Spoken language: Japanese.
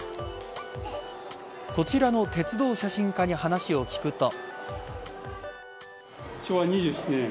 こちらの鉄道写真家に話を聞くと。